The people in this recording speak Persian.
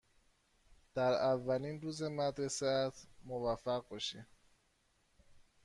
در اولین روز مدرسه ات موفق باشی.